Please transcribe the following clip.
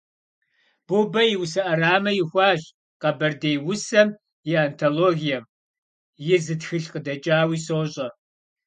Бубэ и усэ Ӏэрамэ ихуащ «Къэбэрдей усэм и антологием», и зы тхылъ къыдэкӀауи сощӀэ.